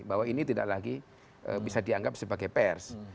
bahwa ini tidak lagi bisa dianggap sebagai pers